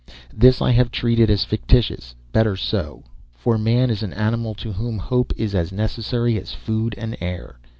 This I have treated as fictitious. Better so for man is an animal to whom hope is as necessary as food and air.